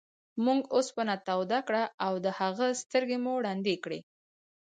موږ اوسپنه توده کړه او د هغه سترګې مو ړندې کړې.